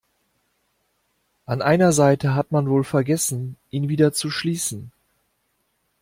An einer Seite hat man wohl vergessen, ihn wieder zu schließen.